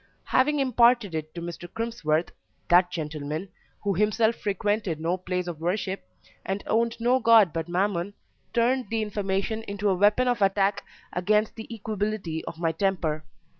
Having imparted it to Mr. Crimsworth, that gentleman, who himself frequented no place of worship, and owned no God but Mammon, turned the information into a weapon of attack against the equability of my temper.